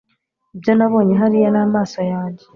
ibyo nabonye hariya n'amaso yanjye